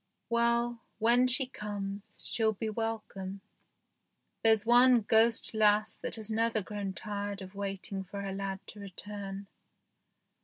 Well, when she comes, she'll be welcome. There's one ghost lass that has never grown tired of waiting for her lad to return.